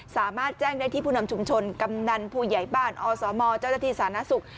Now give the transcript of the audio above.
สามารถแจ้งได้ที่ผู้นำชุมชนกำนันผู้ใหญ่บ้านอสมจทศนสุข